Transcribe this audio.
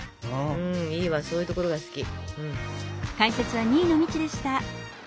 いいわそういうところが好き。